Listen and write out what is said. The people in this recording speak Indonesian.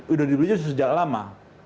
udah dibelinya sejak lama